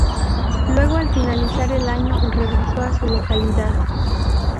Luego al finalizar el año regresó a su localidad.